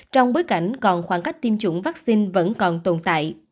trong bối cảnh còn khoảng cách tiêm chủng vắc xin vẫn còn tồn tại